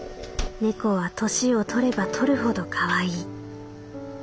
「猫は年を取れば取るほどかわいい。